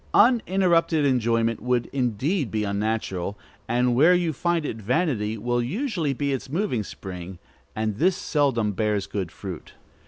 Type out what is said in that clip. Uninterrupted enjoyment would indeed be unnatural, and where you find it vanity will usually be its moving spring, and this seldom bears good fruit.